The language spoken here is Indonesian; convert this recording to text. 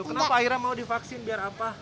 kenapa akhirnya mau divaksin biar apa